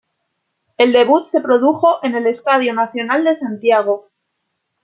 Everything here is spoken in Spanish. El debut se produjo en el Estadio Nacional de Santiago.